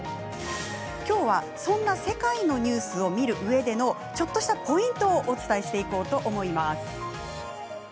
今日は、そんな世界のニュースを見るうえでのちょっとしたポイントをお伝えしていきます。